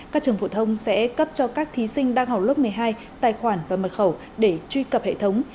các trường phổ thông sẽ cấp cho các thí sinh đang học lớp một mươi hai tài khoản và mật khẩu để truy cập hệ thống